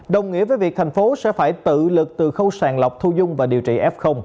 đồng nghĩa với việc thành phố sẽ phải tự lực từ khâu sàng lọc thu dung và điều trị f